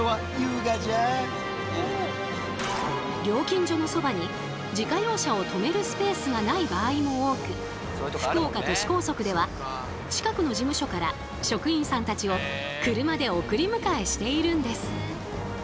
料金所のそばに自家用車を止めるスペースがない場合も多く福岡都市高速では近くの事務所から職員さんたちを車で送り迎えしているんです。